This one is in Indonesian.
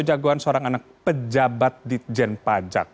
soja goan seorang anak pejabat di jen pajak